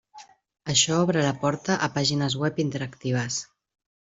Això obre la porta a pàgines web interactives.